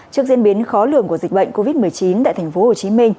trước diễn biến khó lường của dịch bệnh covid một mươi chín tại tp hcm